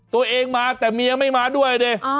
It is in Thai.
ตัวเองมาแต่เมียไม่มาด้วยดิ